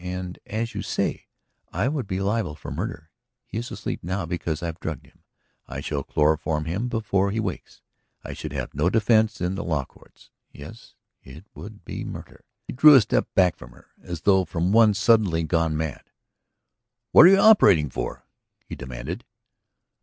And, as you say, I would be liable for murder. He is asleep now because I have drugged him. I shall chloroform him before he wakes. I should have no defense in the law courts. Yes, it would be murder." He drew a step back from her as though from one suddenly gone mad. "What are you operating for?" he demanded.